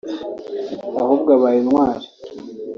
Ahubwo ubaye intwari